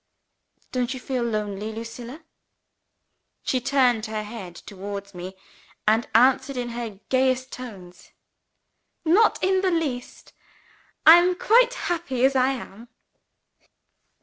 "Don't you feel lonely, Lucilla?" She turned her head towards me, and answered in her gayest tones. "Not in the least. I am quite happy as I am.